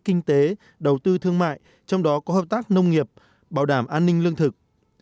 kinh tế đầu tư thương mại trong đó có hợp tác nông nghiệp bảo đảm an ninh lương thực